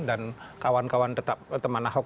kawan kawan tetap teman ahok